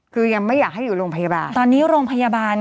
คือยังไม่อยากให้อยู่โรงพยาบาล